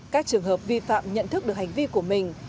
các trường hợp vi phạm nhận thức được hành vi của mình